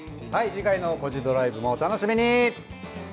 次回の「コジドライブ」もお楽しみに。